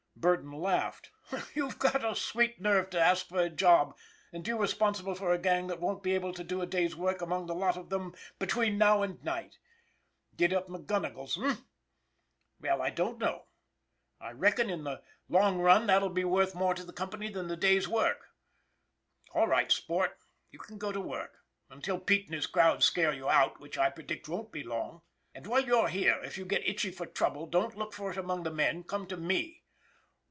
Burton laughed. " You've got a sweet nerve to ask for a job, and you responsible for a gang that won't be able to do a day's work among the lot of them between now and night. Did up McGonigle's, eh? Well, I don't know, I reckon in the long run MUNFORD 327 that'll be worth more to the company than the day's work. All right, sport, you can go to work until Pete and his crowd scare you out, which I predict won't be long. And while you're here, if you get itchy for trouble don't look for it among the men, come to me."